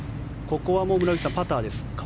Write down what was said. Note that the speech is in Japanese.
ここは村口さん、パターですか。